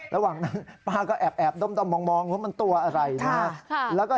ระหว่างนั้นป้าก็แอบด้อมมองว่ามันตัวอะไรนะครับ